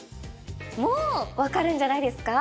もう分かるんじゃないですか？